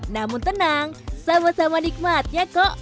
namun tenang sama sama nikmatnya kok